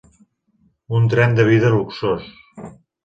Un tren de vida luxós.